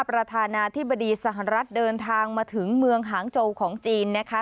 ประธานาธิบดีสหรัฐเดินทางมาถึงเมืองหางโจของจีนนะคะ